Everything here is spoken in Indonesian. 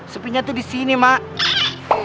sepinya itu di sini mak